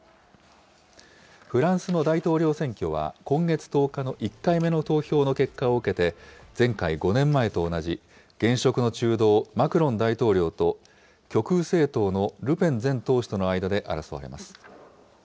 フランスの大統領選挙は今月１０日の１回目の投票の結果を受けて、前回・５年前と同じ、現職の中道、マクロン大統領と、極右政党のルペン前党首との間で争われます。